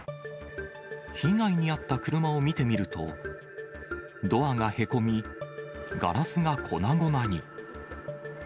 被害に遭った車を見てみると、ドアがへこみ、ガラスが粉々に。